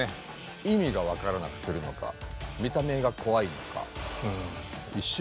意味が分からなくするのか見た目が怖いのか。